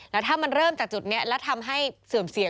แล้วถ้ามันเริ่มจากจุดนี้แล้วทำให้เสื่อมเสีย